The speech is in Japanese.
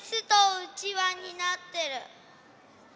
うちわになってる。